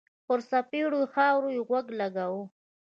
پر سپېرو خاور يې غوږ و لګاوه.